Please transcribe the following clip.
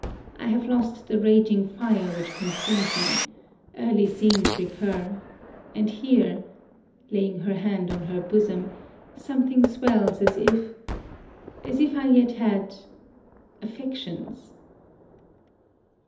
I have lost the raging fire which consumed me early scenes recur and here,' laying her hand on her bosom, 'something swells as if as if I yet had affections!'